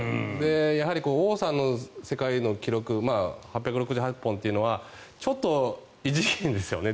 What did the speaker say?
やはり王さんの世界の記録８６８本というのはちょっと異次元ですよね。